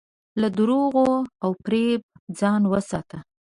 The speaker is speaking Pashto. له دروغو او فریب ځان وساته.